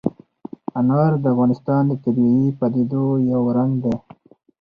انار د افغانستان د طبیعي پدیدو یو رنګ دی.